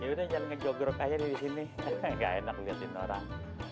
ini jangan ngejogrok aja di sini enak ngeliatin orang